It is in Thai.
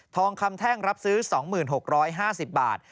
ทองคำแท่งรับซื้อ๒๖๕๐บาท